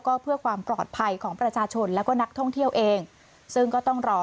ก็เพื่อความปลอดภัยของประชาชนและก็นักท่องเที่ยวเอง